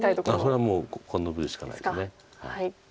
それはもうここはノビるしかないです。